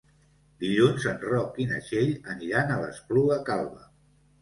Dilluns en Roc i na Txell aniran a l'Espluga Calba.